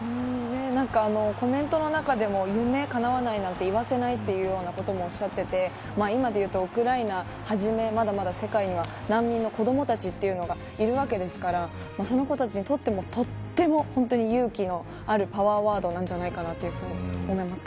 コメントの中でも夢かなわないなんて言わせない、ということもおっしゃっていて今でいうと、ウクライナをはじめまだまだ世界には難民の子どもたちがいるわけですからその子たちにとってもとても本当に勇気のあるパワーワードなんじゃないかなと思います。